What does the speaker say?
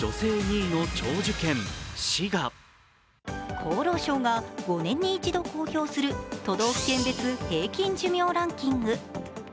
厚労省が５年に１度公表する都道府県別平均寿命ランキング。